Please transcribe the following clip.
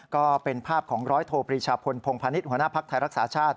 ก็เป็นภาพของร้อยโทปรีชาพลพงพาณิชย์หัวหน้าภักดิ์ไทยรักษาชาติ